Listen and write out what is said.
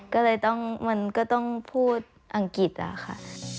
ก็เลยต้องมันก็ต้องพูดอังกฤษอะค่ะ